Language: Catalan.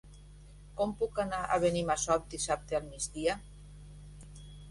Com puc anar a Benimassot dissabte al migdia?